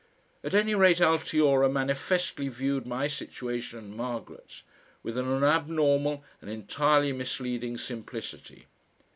At any rate Altiora manifestly viewed my situation and Margaret's with an abnormal and entirely misleading simplicity.